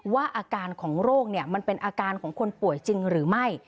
ว่าอาการของโรคเนี่ยมันเป็นอาการของคนป่วยจริงหรือไม่